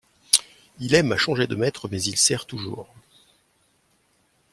Il aime à changer de maître, mais il sert toujours.